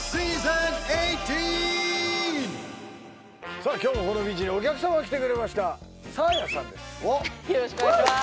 さあ今日もこのビーチにお客様が来てくれましたサーヤさんです